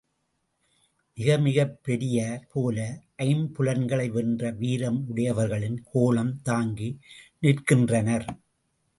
மிகமிகப் பெரியர் போல ஐம்புலன்களை வென்ற வீரம் உடையவர்களின் கோலம் தாங்கி நிற்கின்றனர்.